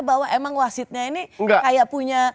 bahwa emang wasitnya ini kayak punya